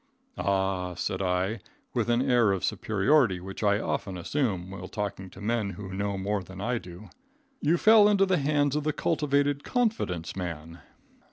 "Ah," said I, with an air of superiority which I often assume while talking to men who know more than I do, "you fell into the hands of the cultivated confidence man?"